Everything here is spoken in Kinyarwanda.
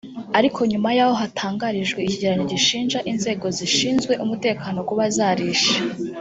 Ariko nyuma y’aho hatangarijwe icyegeranyo gishinja inzego zishinzwe umutekano kuba zarishe